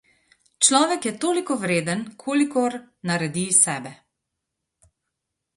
Človek je toliko vreden, kolikor naredi iz sebe.